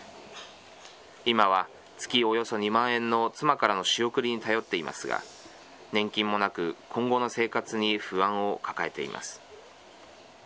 今は月およそ２万円の妻からの仕送りに頼っていますが、年金もなく、今後の生活に不安を抱えています。